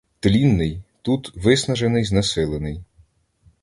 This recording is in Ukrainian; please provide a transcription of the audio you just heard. Тлінний — тут: виснажений, знесилений.